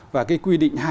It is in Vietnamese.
và cái quy định hai năm